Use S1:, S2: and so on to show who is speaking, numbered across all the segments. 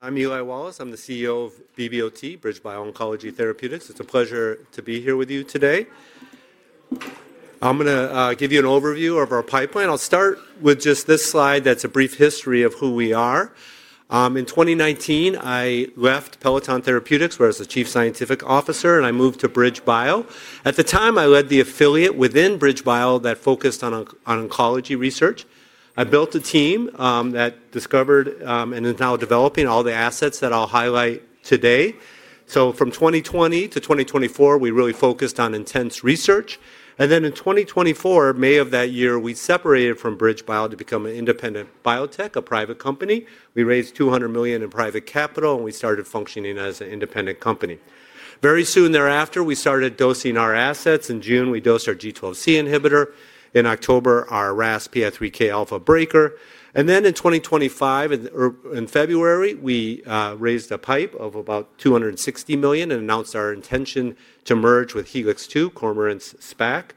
S1: I'm Eli Wallace. I'm the CEO of BBOT, BridgeBio Oncology Therapeutics. It's a pleasure to be here with you today. I'm going to give you an overview of our pipeline. I'll start with just this slide that's a brief history of who we are. In 2019, I left Peloton Therapeutics, where I was the Chief Scientific Officer, and I moved to BridgeBio. At the time, I led the affiliate within BridgeBio that focused on oncology research. I built a team that discovered and is now developing all the assets that I'll highlight today. From 2020 to 2024, we really focused on intense research. In 2024, May of that year, we separated from BridgeBio to become an independent biotech, a private company. We raised $200 million in private capital, and we started functioning as an independent company. Very soon thereafter, we started dosing our assets. In June, we dosed our G12C inhibitor. In October, our RAS PI3Kα breaker. In February 2025, we raised a pipe of about $260 million and announced our intention to merge with Helix II, Cormorant SPAC.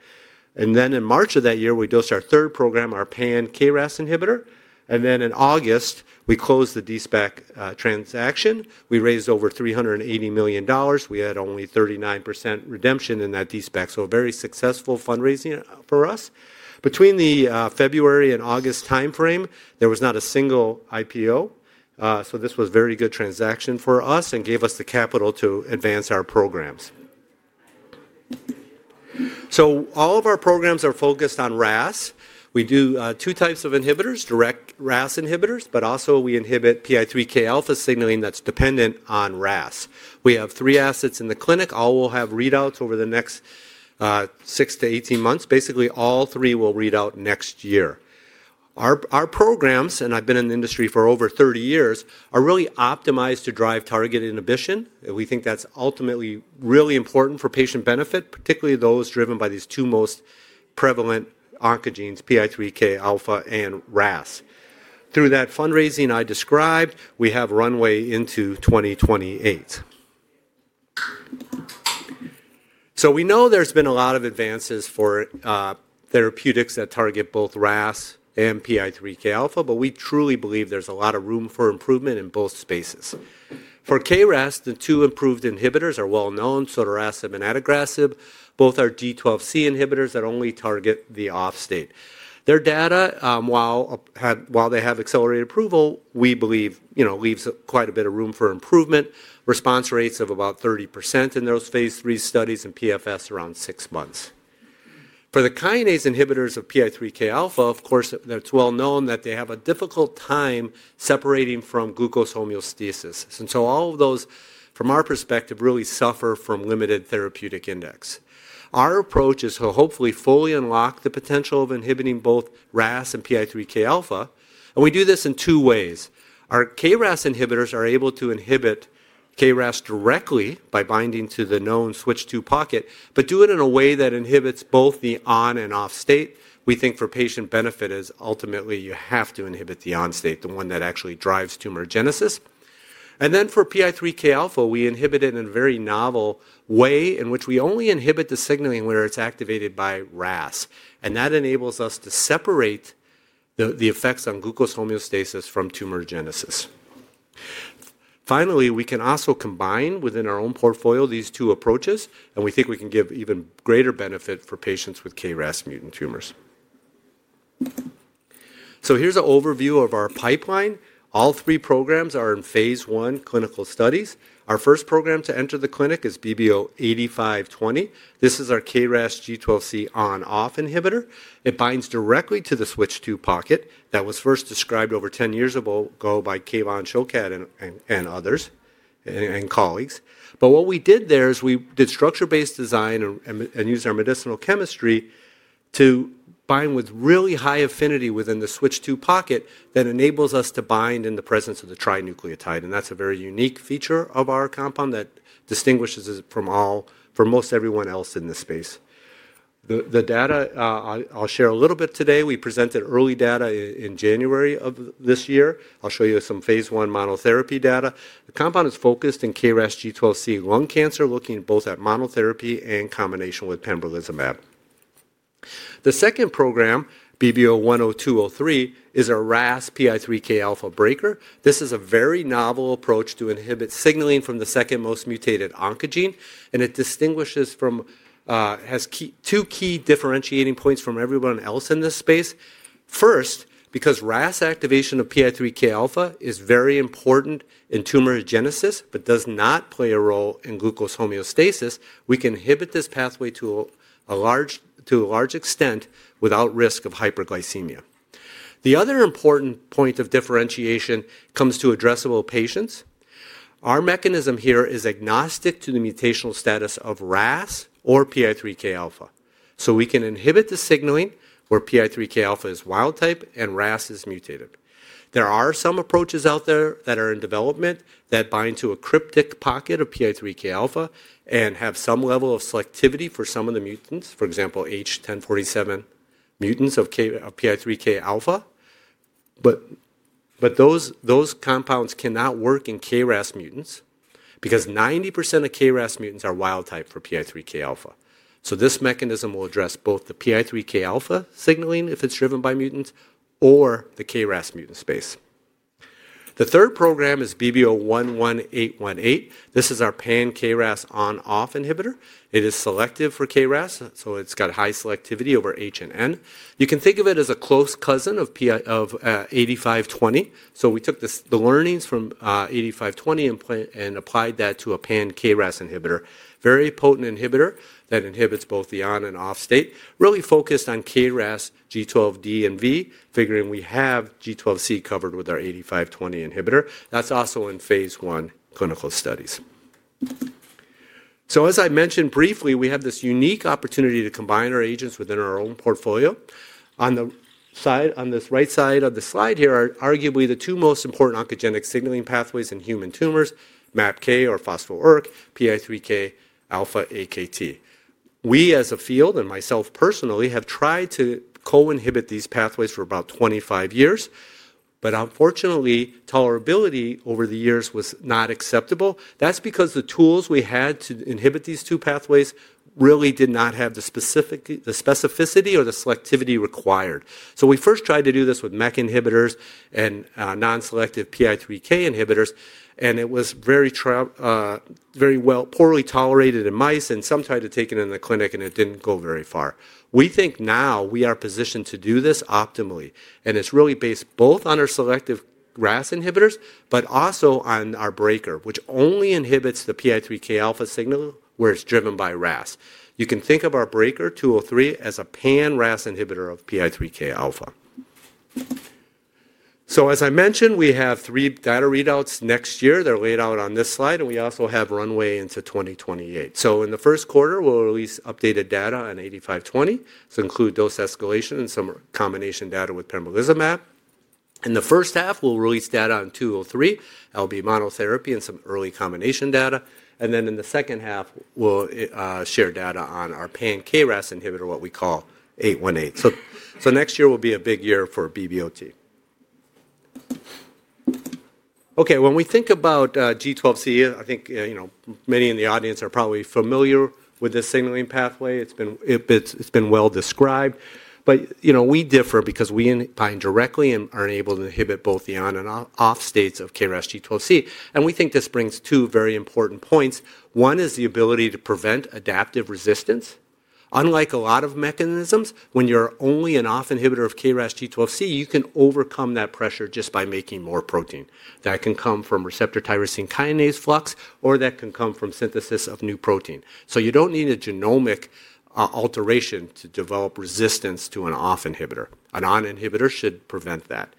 S1: In March of that year, we dosed our third program, our Pan-KRAS inhibitor. In August, we closed the de-SPAC transaction. We raised over $380 million. We had only 39% redemption in that de-SPAC. A very successful fundraising for us. Between the February and August timeframe, there was not a single IPO. This was a very good transaction for us and gave us the capital to advance our programs. All of our programs are focused on RAS. We do two types of inhibitors, direct RAS inhibitors, but also we inhibit PI3Kα signaling that's dependent on RAS. We have three assets in the clinic. All will have readouts over the next 6-18 months. Basically, all three will read out next year. Our programs, and I've been in the industry for over 30 years, are really optimized to drive target inhibition. We think that's ultimately really important for patient benefit, particularly those driven by these two most prevalent oncogenes, PI3Kα and RAS. Through that fundraising I described, we have runway into 2028. We know there's been a lot of advances for therapeutics that target both RAS and PI3Kα, but we truly believe there's a lot of room for improvement in both spaces. For KRAS, the two approved inhibitors are well-known, sotorasib and adagrasib. Both are G12C inhibitors that only target the off-state. Their data, while they have accelerated approval, we believe, you know, leaves quite a bit of room for improvement. Response rates of about 30% in those phase III studies and PFS around six months. For the kinase inhibitors of PI3Kα, of course, it's well-known that they have a difficult time separating from glucose homeostasis. All of those, from our perspective, really suffer from limited therapeutic index. Our approach is to hopefully fully unlock the potential of inhibiting both RAS and PI3Kα. We do this in two ways. Our KRAS inhibitors are able to inhibit KRAS directly by binding to the known switch II pocket, but do it in a way that inhibits both the on and off-state. We think for patient benefit is ultimately you have to inhibit the on-state, the one that actually drives tumorigenesis. For PI3Kα, we inhibit it in a very novel way in which we only inhibit the signaling where it's activated by RAS. That enables us to separate the effects on glucose homeostasis from tumor genesis. Finally, we can also combine within our own portfolio these two approaches, and we think we can give even greater benefit for patients with KRAS mutant tumors. Here is an overview of our pipeline. All three programs are in phase I clinical studies. Our first program to enter the clinic is BBO-8520. This is our KRAS-G12C on-off inhibitor. It binds directly to the switch II pocket that was first described over 10 years ago by Kevan Shokat and colleagues. What we did there is we did structure-based design and used our medicinal chemistry to bind with really high affinity within the switch II pocket that enables us to bind in the presence of the trinucleotide. That is a very unique feature of our compound that distinguishes it from most everyone else in this space. The data I'll share a little bit today. We presented early data in January of this year. I'll show you some phase one monotherapy data. The compound is focused in KRAS-G12C lung cancer, looking both at monotherapy and combination with pembrolizumab. The second program, BBO-10203, is a RAS PI3Kα breaker. This is a very novel approach to inhibit signaling from the second most mutated oncogene. It distinguishes from, has two key differentiating points from everyone else in this space. First, because RAS activation of PI3Kα is very important in tumor genesis, but does not play a role in glucose homeostasis, we can inhibit this pathway to a large extent without risk of hyperglycemia. The other important point of differentiation comes to addressable patients. Our mechanism here is agnostic to the mutational status of RAS or PI3Kα. We can inhibit the signaling where PI3Kα is wild type and RAS is mutated. There are some approaches out there that are in development that bind to a cryptic pocket of PI3Kα and have some level of selectivity for some of the mutants, for example, H1047 mutants of PI3Kα. Those compounds cannot work in KRAS mutants because 90% of KRAS mutants are wild type for PI3Kα. This mechanism will address both the PI3Kα signaling if it is driven by mutants or the KRAS mutant space. The third program is BBO-11818. This is our pan-KRAS on-off inhibitor. It is selective for KRAS, so it has high selectivity over H and N. You can think of it as a close cousin of 8520. We took the learnings from 8520 and applied that to a pan-KRAS inhibitor. Very potent inhibitor that inhibits both the on and off-state. Really focused on KRAS G12D and G12V, figuring we have G12C covered with our 8520 inhibitor. That's also in phase one clinical studies. As I mentioned briefly, we have this unique opportunity to combine our agents within our own portfolio. On the right side of the slide here are arguably the two most important oncogenic signaling pathways in human tumors, MAPK or phospho or PI3Kα AKT. We, as a field and myself personally, have tried to co-inhibit these pathways for about 25 years, but unfortunately, tolerability over the years was not acceptable. That's because the tools we had to inhibit these two pathways really did not have the specificity or the selectivity required. We first tried to do this with MEK inhibitors and non-selective PI3K inhibitors, and it was very poorly tolerated in mice and some tried to take it in the clinic, and it did not go very far. We think now we are positioned to do this optimally. It is really based both on our selective RAS inhibitors, but also on our breaker, which only inhibits the PI3Kα signal where it is driven by RAS. You can think of our breaker 203 as a pan-RAS inhibitor of PI3Kα. As I mentioned, we have three data readouts next year. They are laid out on this slide, and we also have runway into 2028. In the first quarter, we will release updated data on 8520 to include dose escalation and some combination data with pembrolizumab. In the first half, we will release data on 203, LB monotherapy, and some early combination data. Then in the second half, we'll share data on our pan-KRAS inhibitor, what we call 818. Next year will be a big year for BBOT. Okay, when we think about G12C, I think, you know, many in the audience are probably familiar with this signaling pathway. It's been well described. You know, we differ because we bind directly and are able to inhibit both the on and off-states of KRAS-G12C. We think this brings two very important points. One is the ability to prevent adaptive resistance. Unlike a lot of mechanisms, when you're only an off-inhibitor of KRAS-G12C, you can overcome that pressure just by making more protein. That can come from receptor tyrosine kinase flux, or that can come from synthesis of new protein. You don't need a genomic alteration to develop resistance to an off-inhibitor. An on-inhibitor should prevent that.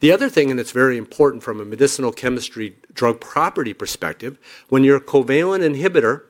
S1: The other thing, and it's very important from a medicinal chemistry drug property perspective, when you're a covalent inhibitor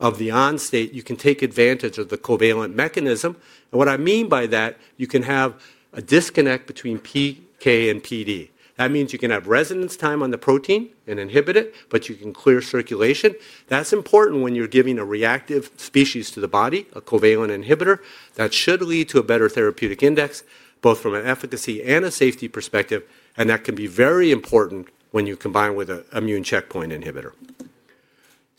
S1: of the on-state, you can take advantage of the covalent mechanism. What I mean by that, you can have a disconnect between PK and PD. That means you can have resonance time on the protein and inhibit it, but you can clear circulation. That's important when you're giving a reactive species to the body, a covalent inhibitor. That should lead to a better therapeutic index, both from an efficacy and a safety perspective. That can be very important when you combine with an immune checkpoint inhibitor.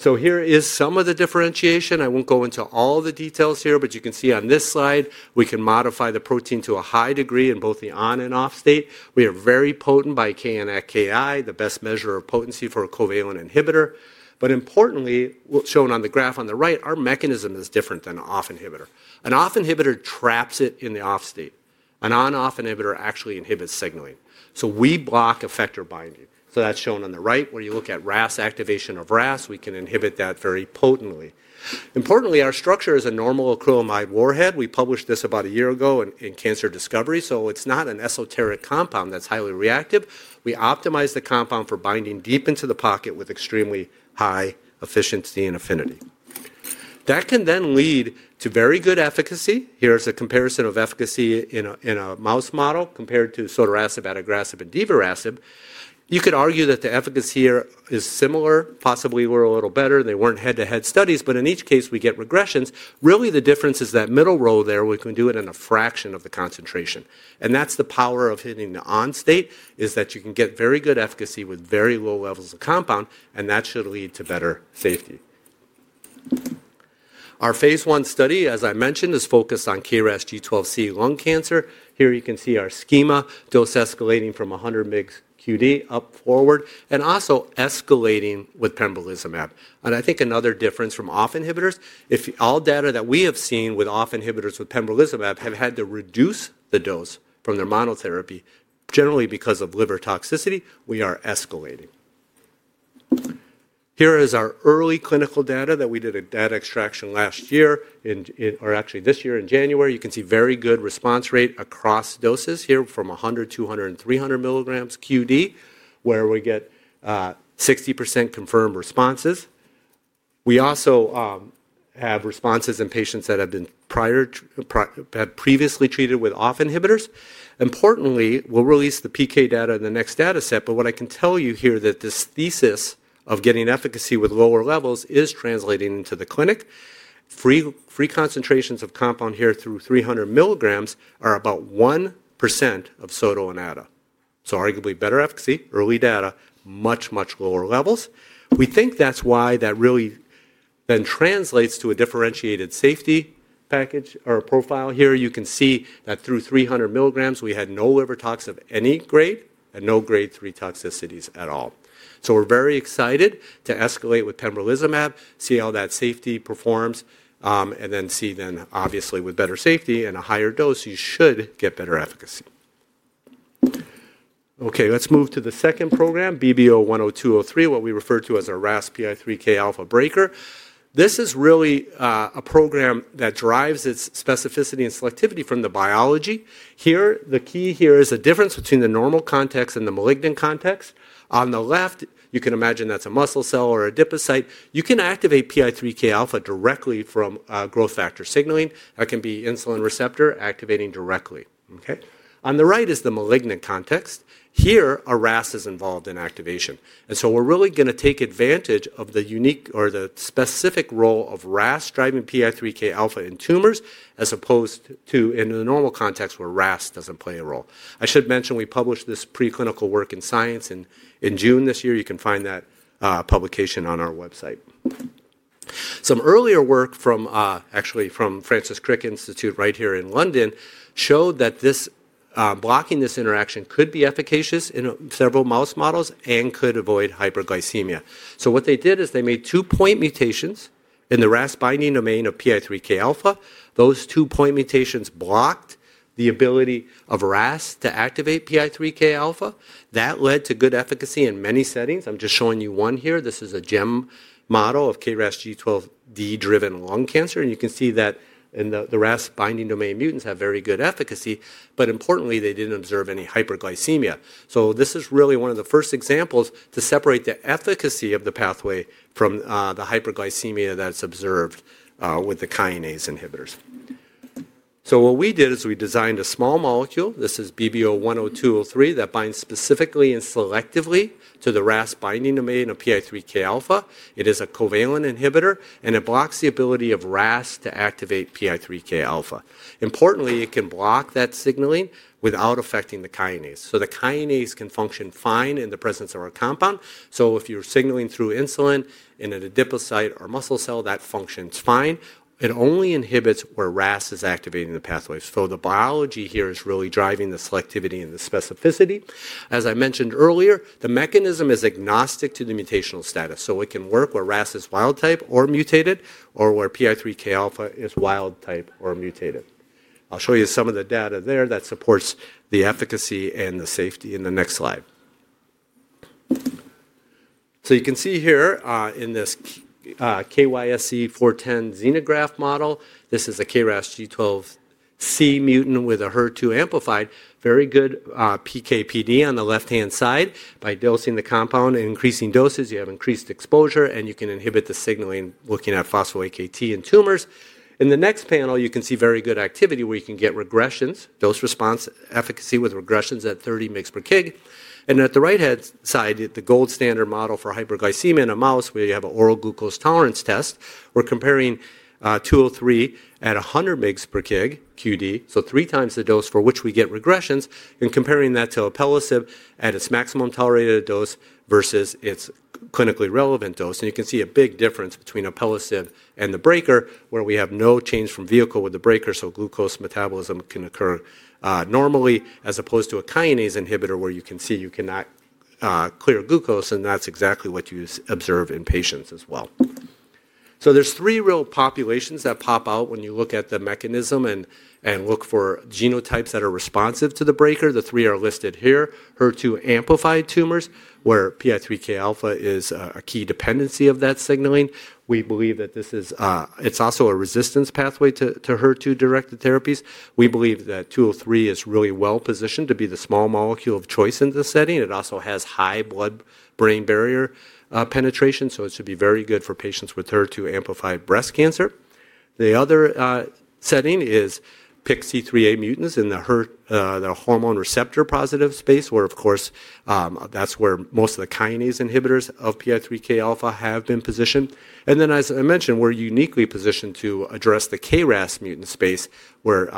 S1: Here is some of the differentiation. I won't go into all the details here, but you can see on this slide, we can modify the protein to a high degree in both the on and off-state. We are very potent by Kianct/KI, the best measure of potency for a covalent inhibitor. Importantly, shown on the graph on the right, our mechanism is different than an off-inhibitor. An off-inhibitor traps it in the off-state. An on-off inhibitor actually inhibits signaling. We block effector binding. That is shown on the right where you look at RAS activation of RAS, we can inhibit that very potently. Importantly, our structure is a normal acrylamide warhead. We published this about a year ago in Cancer Discovery. It is not an esoteric compound that is highly reactive. We optimize the compound for binding deep into the pocket with extremely high efficiency and affinity. That can then lead to very good efficacy. Here is a comparison of efficacy in a mouse model compared to sotorasib, adagrasib, and divarasib. You could argue that the efficacy here is similar. Possibly we are a little better. They were not head-to-head studies, but in each case, we get regressions. Really, the difference is that middle row there, we can do it in a fraction of the concentration. That is the power of hitting the on-state, that you can get very good efficacy with very low levels of compound, and that should lead to better safety. Our phase one study, as I mentioned, is focused on KRAS-G12C lung cancer. Here you can see our schema, dose escalating from 100 mg QD up forward, and also escalating with pembrolizumab. I think another difference from off-inhibitors, if all data that we have seen with off-inhibitors with pembrolizumab have had to reduce the dose from their monotherapy, generally because of liver toxicity, we are escalating. Here is our early clinical data that we did a data extraction last year, or actually this year in January. You can see very good response rate across doses here from 100, 200, and 300 mg QD, where we get 60% confirmed responses. We also have responses in patients that have been previously treated with off-inhibitors. Importantly, we'll release the PK data in the next data set, but what I can tell you here is that this thesis of getting efficacy with lower levels is translating into the clinic. Free concentrations of compound here through 300 mg are about 1% of sotorasib. Arguably better efficacy, early data, much, much lower levels. We think that's why that really then translates to a differentiated safety package or profile. Here you can see that through 300 mg, we had no liver tox of any grade and no grade three toxicities at all. We're very excited to escalate with pembrolizumab, see how that safety performs, and then see, obviously, with better safety and a higher dose, you should get better efficacy. Okay, let's move to the second program, BBO-10203, what we refer to as our RAS PI3Kα breaker. This is really a program that drives its specificity and selectivity from the biology. Here, the key here is a difference between the normal context and the malignant context. On the left, you can imagine that's a muscle cell or adipocyte. You can activate PI3Kα directly from growth factor signaling. That can be insulin receptor activating directly. Okay, on the right is the malignant context. Here, a RAS is involved in activation. We are really going to take advantage of the unique or the specific role of RAS driving PI3Kα in tumors as opposed to in the normal context where RAS does not play a role. I should mention we published this preclinical work in Science in June this year. You can find that publication on our website. Some earlier work actually from Francis Crick Institute right here in London showed that blocking this interaction could be efficacious in several mouse models and could avoid hyperglycemia. What they did is they made two point mutations in the RAS binding domain of PI3Kα. Those two point mutations blocked the ability of RAS to activate PI3Kα. That led to good efficacy in many settings. I am just showing you one here. This is a gem model of KRAS G12D driven lung cancer. You can see that in the RAS binding domain mutants have very good efficacy, but importantly, they did not observe any hyperglycemia. This is really one of the first examples to separate the efficacy of the pathway from the hyperglycemia that is observed with the kinase inhibitors. What we did is we designed a small molecule. This is BBO-10203 that binds specifically and selectively to the RAS binding domain of PI3Kα. It is a covalent inhibitor, and it blocks the ability of RAS to activate PI3Kα. Importantly, it can block that signaling without affecting the kinase. The kinase can function fine in the presence of our compound. If you are signaling through insulin in an adipocyte or muscle cell, that functions fine. It only inhibits where RAS is activating the pathway. The biology here is really driving the selectivity and the specificity. As I mentioned earlier, the mechanism is agnostic to the mutational status. So it can work where RAS is wild type or mutated, or where PI3Kα is wild type or mutated. I'll show you some of the data there that supports the efficacy and the safety in the next slide. You can see here in this KYSE-410 xenograft model, this is a KRAS-G12C mutant with a HER2 amplified, very good PK/PD on the left-hand side. By dosing the compound and increasing doses, you have increased exposure, and you can inhibit the signaling looking at phospho AKT in tumors. In the next panel, you can see very good activity where you can get regressions, dose response efficacy with regressions at 30 mg per kg. At the right-hand side, the gold standard model for hyperglycemia in a mouse where you have an oral glucose tolerance test. We're comparing 203 at 100 mg per kg QD, so three times the dose for which we get regressions, and comparing that to alpelisib at its maximum tolerated dose versus its clinically relevant dose. You can see a big difference between Alpelisib and the breaker, where we have no change from vehicle with the breaker, so glucose metabolism can occur normally, as opposed to a kinase inhibitor where you can see you cannot clear glucose, and that's exactly what you observe in patients as well. There are three real populations that pop out when you look at the mechanism and look for genotypes that are responsive to the breaker. The three are listed here, HER2-amplified tumors, where PI3Kα is a key dependency of that signaling. We believe that this is, it's also a resistance pathway to HER2-directed therapies. We believe that 203 is really well positioned to be the small molecule of choice in this setting. It also has high blood-brain barrier penetration, so it should be very good for patients with HER2-amplified breast cancer. The other setting is PIK3CA mutants in the hormone receptor positive space, where, of course, that's where most of the kinase inhibitors of PI3Kα have been positioned. As I mentioned, we're uniquely positioned to address the KRAS mutant space, where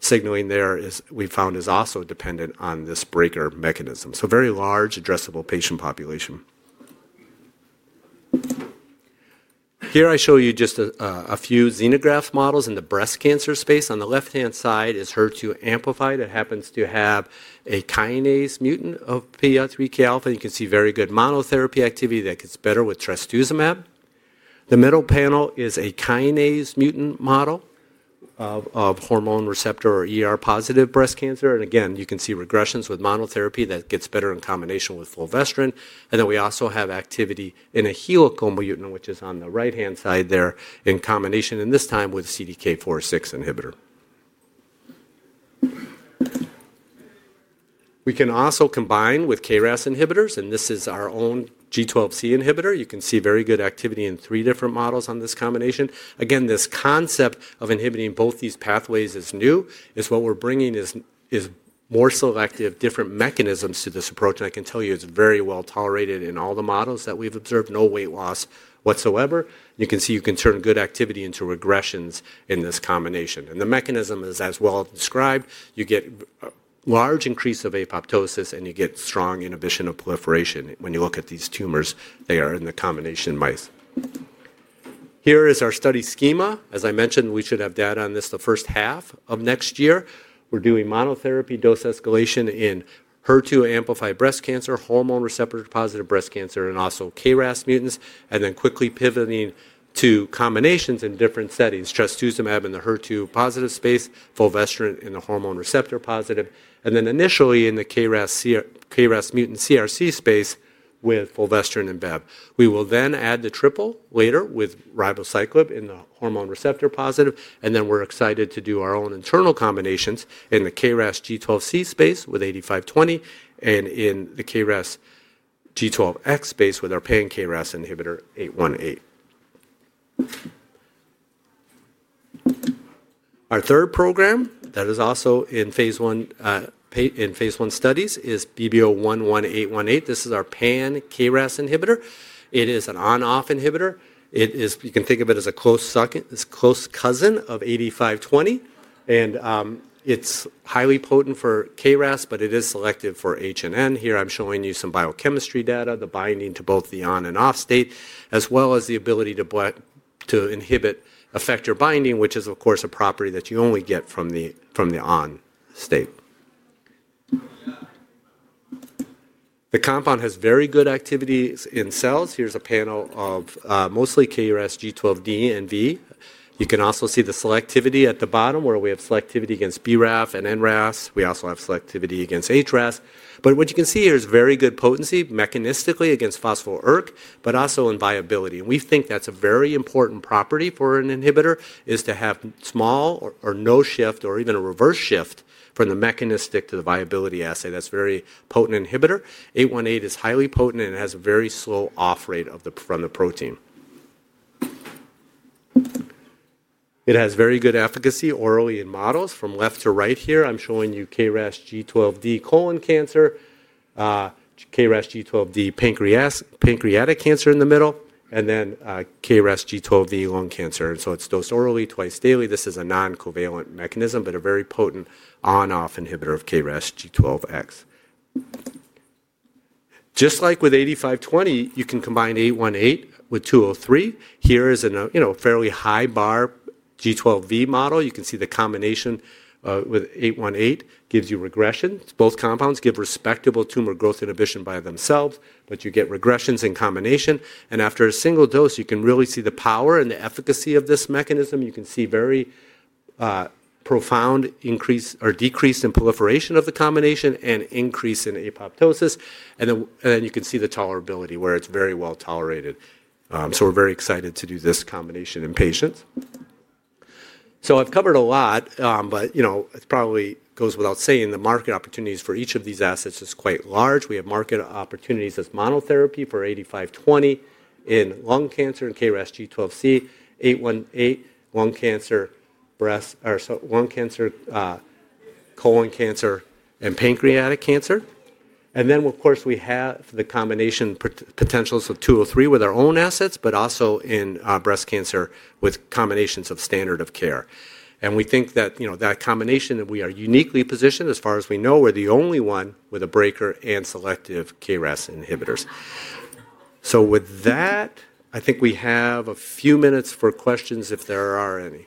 S1: signaling there is, we found, is also dependent on this breaker mechanism. Very large addressable patient population. Here I show you just a few xenograft models in the breast cancer space. On the left-hand side is HER2-amplified. It happens to have a kinase mutant of PI3Kα. You can see very good monotherapy activity that gets better with trastuzumab. The middle panel is a kinase mutant model of hormone receptor or ER-positive breast cancer. Again, you can see regressions with monotherapy that gets better in combination with fulvestrant. We also have activity in a helical mutant, which is on the right-hand side there in combination, and this time with CDK4/6 inhibitor. We can also combine with KRAS inhibitors, and this is our own G12C inhibitor. You can see very good activity in three different models on this combination. This concept of inhibiting both these pathways is new. What we're bringing is more selective different mechanisms to this approach. I can tell you it's very well tolerated in all the models that we've observed, no weight loss whatsoever. You can see you can turn good activity into regressions in this combination. The mechanism is as well described. You get a large increase of apoptosis, and you get strong inhibition of proliferation. When you look at these tumors, they are in the combination mice. Here is our study schema. As I mentioned, we should have data on this the first half of next year. We're doing monotherapy dose escalation in HER2-amplified breast cancer, hormone receptor positive breast cancer, and also KRAS mutants, and then quickly pivoting to combinations in different settings, trastuzumab in the HER2-positive space, fulvestrant in the hormone receptor positive, and initially in the KRAS mutant CRC space with fulvestrant and bev. We will then add the triple later with ribociclib in the hormone receptor positive. We are excited to do our own internal combinations in the KRAS-G12C space with 8520, and in the KRAS G12X space with our pan-KRAS inhibitor 818. Our third program that is also in phase I studies is BBO-11818. This is our pan-KRAS inhibitor. It is an on-off inhibitor. You can think of it as a close cousin of BBO-8520, and it's highly potent for KRAS, but it is selective for KRAS over H and N. Here I'm showing you some biochemistry data, the binding to both the on and off state, as well as the ability to inhibit effector binding, which is, of course, a property that you only get from the on state. The compound has very good activity in cells. Here's a panel of mostly KRAS G12D and G12V. You can also see the selectivity at the bottom where we have selectivity against BRAF and NRAS. We also have selectivity against HRAS. What you can see here is very good potency mechanistically against phospho-ERK, but also in viability. We think that's a very important property for an inhibitor, to have small or no shift or even a reverse shift from the mechanistic to the viability assay. That's a very potent inhibitor. 818 is highly potent and has a very slow off rate from the protein. It has very good efficacy orally in models from left to right here. I'm showing you KRAS G12D colon cancer, KRAS G12D pancreatic cancer in the middle, and then KRAS G12D lung cancer. It's dosed orally twice daily. This is a non-covalent mechanism, but a very potent on-off inhibitor of KRAS G12X. Just like with 8520, you can combine 818 with 203. Here is a fairly high bar G12V model. You can see the combination with 818 gives you regression. Both compounds give respectable tumor growth inhibition by themselves, but you get regressions in combination. After a single dose, you can really see the power and the efficacy of this mechanism. You can see very profound increase or decrease in proliferation of the combination and increase in apoptosis. You can see the tolerability where it is very well tolerated. We are very excited to do this combination in patients. I have covered a lot, but it probably goes without saying the market opportunities for each of these assets is quite large. We have market opportunities as monotherapy for 8520 in lung cancer and KRAS-G12C, 818 lung cancer, breast, or lung cancer, colon cancer, and pancreatic cancer. Of course, we have the combination potentials of 203 with our own assets, but also in breast cancer with combinations of standard of care. We think that combination that we are uniquely positioned as far as we know, we're the only one with a breaker and selective KRAS inhibitors. With that, I think we have a few minutes for questions if there are any.